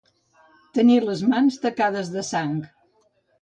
Tenir les mans tacades de sang.